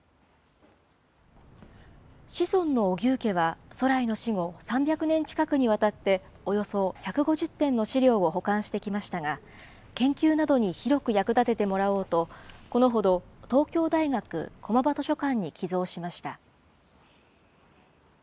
子孫の荻生家は、徂徠の死後、３００年近くにわたって、およそ１５０点の資料を保管してきましたが、研究などに広く役立ててもらおうと、このほど、東京大学駒場図書館に寄贈しました。